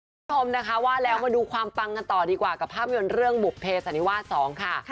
คุณผู้ชมนะคะว่าแล้วมาดูความปังกันต่อดีกว่ากับภาพยนตร์เรื่องบุภเพสันนิวาส๒ค่ะ